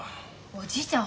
おじいちゃん